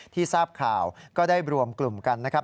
ทราบข่าวก็ได้รวมกลุ่มกันนะครับ